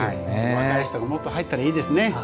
若い人がもっと入ったらいいですね。